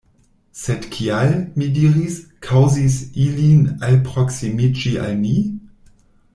Sed kial, mi diris, kaŭzis ilin alproksimiĝi al ni?